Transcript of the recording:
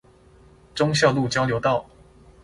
忠孝路交流道